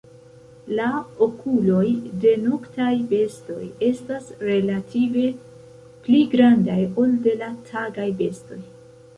La okuloj de noktaj bestoj estas relative pli grandaj, ol de la tagaj bestoj.